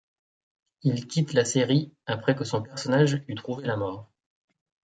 Il quitte la série après que son personnage eut trouvé la mort.